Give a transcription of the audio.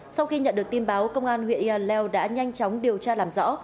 sau khi nhận được tin báo công an huyện yaleo đã nhanh chóng điều tra làm rõ